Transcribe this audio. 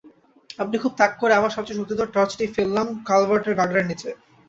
আমি খুব তাক করে আমার সবচেয়ে শক্তিধর টর্চটি ফেললাম কালভার্টের গার্ডারের নিচে।